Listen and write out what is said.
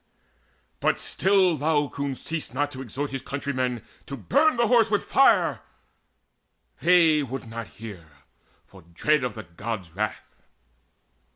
But still Laocoon ceased not to exhort His countrymen to burn the Horse with fire: They would not hear, for dread of the Gods' wrath.